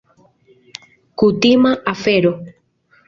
Kutima afero.